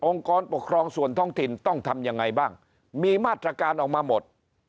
กรปกครองส่วนท้องถิ่นต้องทำยังไงบ้างมีมาตรการออกมาหมด